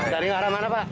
dari arah mana pak